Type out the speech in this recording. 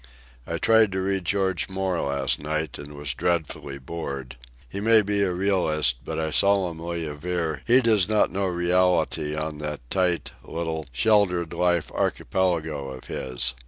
I tried to read George Moore last night, and was dreadfully bored. He may be a realist, but I solemnly aver he does not know reality on that tight, little, sheltered life archipelago of his.